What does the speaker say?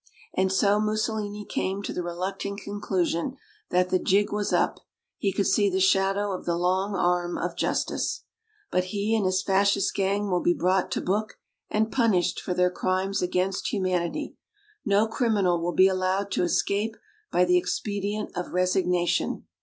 And so Mussolini came to the reluctant conclusion that the "jig was up"; he could see the shadow of the long arm of justice. But he and his Fascist gang will be brought to book, and punished for their crimes against humanity. No criminal will be allowed to escape by the expedient of "resignation."